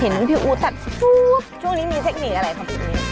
เห็นพี่อู๋ตัดช่วงนี้มีเทคนิคอะไรของพี่อู๋